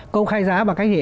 công khai giá bằng cách gì